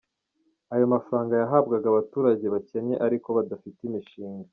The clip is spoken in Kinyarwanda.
Ayo mafaranga yahabwaga abaturage bakennye ariko bafite imishinga.